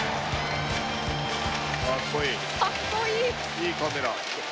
いいカメラ。